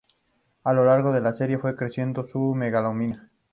A lo largo de la serie fue creciendo su megalomanía.